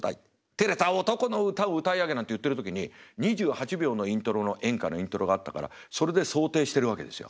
てれた男の歌を歌い上げ」なんて言ってる時に２８秒のイントロの演歌のイントロがあったからそれで想定してるわけですよ。